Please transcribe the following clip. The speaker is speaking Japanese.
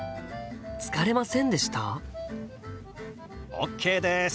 ＯＫです！